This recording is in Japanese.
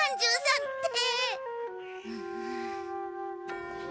３３って。